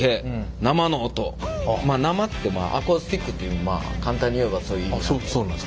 「生」ってアコースティックというまあ簡単にいえばそういう意味なんで。